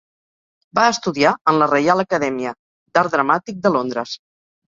Va estudiar en la Reial Acadèmia d'Art Dramàtic de Londres.